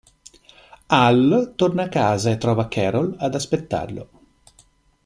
Hal torna a casa e trova Carol ad aspettarlo.